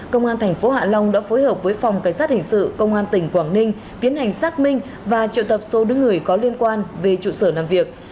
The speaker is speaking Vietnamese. công an thành phố hạ long đã phối hợp với phòng cảnh sát hình sự công an tỉnh quảng ninh tiến hành xác minh và triệu tập số đứa người có liên quan về trụ sở làm việc